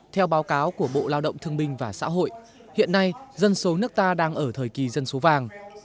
theo báo cáo của bộ lao động thương minh và xã hội hiện nay dân số nước ta đang ở thời kỳ dân số vàng